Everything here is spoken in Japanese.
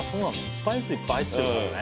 スパイスいっぱい入ってるからね。